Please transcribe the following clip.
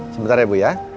sebentar ya bu ya